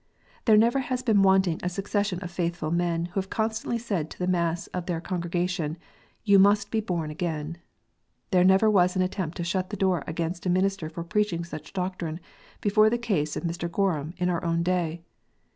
There never has been wanting a succession of faithful men, who have constantly said to the mass of their congregation, " Ye must be born again." There never was an attempt to shut the door against a minister for preaching such doctrine, before the case of Mr. Gorham in our own day.